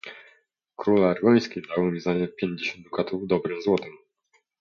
"Król Aragoński dawał mi za nie pięćdziesiąt dukatów dobrem złotem."